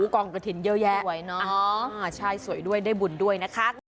กองกระถิ่นเยอะแยะสวยเนอะใช่สวยด้วยได้บุญด้วยนะคะ